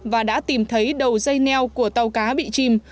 và đã tìm thấy đầu dây neo của tàu cá bị chìm